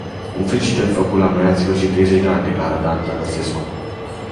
Un frigider făcut la noi a ținut și treizeci de ani declară Dan Tănăsescu.